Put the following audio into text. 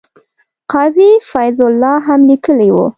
قاضي فیض الله هم لیکلي وو.